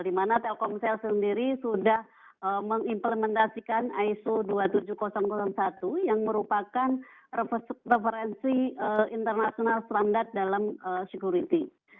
dimana telkomsel sendiri sudah mengimplementasikan iso dua puluh tujuh ribu satu yang merupakan referensi international standard dalam security